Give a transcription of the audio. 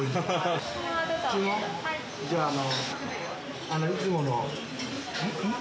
じゃああの。